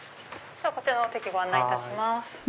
こちらのお席ご案内いたします。